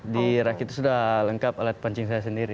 di rakit itu sudah lengkap alat pancing saya sendiri